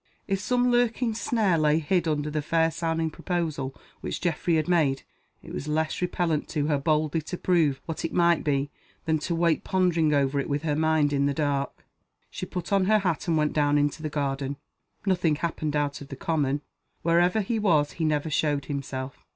If some lurking snare lay hid under the fair sounding proposal which Geoffrey had made, it was less repellent to her boldly to prove what it might be than to wait pondering over it with her mind in the dark. She put on her hat and went down into the garden. Nothing happened out of the common. Wherever he was he never showed himself.